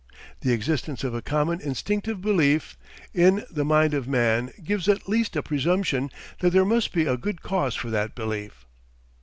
The existence of a common instinctive belief in the mind of man gives at least a presumption that there must be a good cause for that belief.